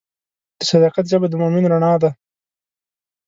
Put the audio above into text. د صداقت ژبه د مؤمن رڼا ده.